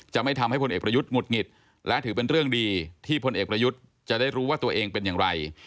ไม่ทำให้พลเอกประยุทธ์หงุดหงิดและถือเป็นเรื่องดีที่พลเอกประยุทธ์จะได้รู้ว่าตัวเองเป็นอย่างไร